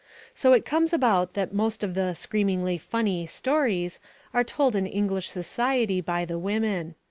So it comes about that most of the "screamingly funny" stories are told in English society by the women.